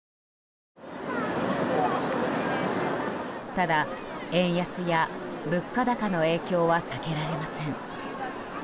ただ、円安や物価高の影響は避けられません。